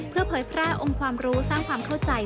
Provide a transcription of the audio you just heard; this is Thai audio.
เพื่อเผยแพร่องค์ความรู้สร้างความเข้าใจ